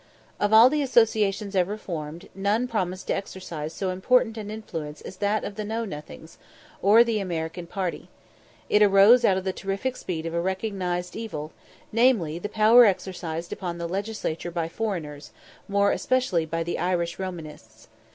Of all the associations ever formed, none promised to exercise so important an influence as that of the Know nothings, or the American party. It arose out of the terrific spread of a recognised evil namely, the power exercised upon the Legislature by foreigners, more especially by the Irish Romanists.